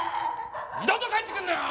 二度と帰ってくんなよ！